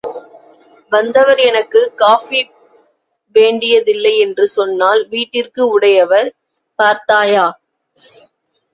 வந்தவர் எனக்குக் காஃபி வேண்டியதில்லை என்று சொன்னால், வீட்டிற்கு உடையவர், பார்த்தாயா.